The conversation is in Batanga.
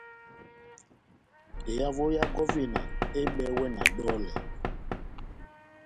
Ehavo ya gɔvina ehibɛwɛ na dɔlɛ.